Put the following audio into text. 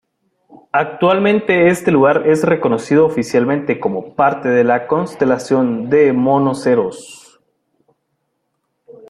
Actualmente este lugar es reconocido oficialmente como parte de la constelación de Monoceros.